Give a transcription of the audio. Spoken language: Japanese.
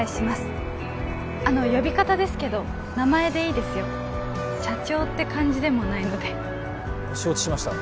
あの呼び方ですけど名前でいいですよ社長って感じでもないので承知しました